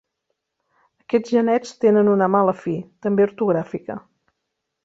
Aquests genets tenen una mala fi, també ortogràfica.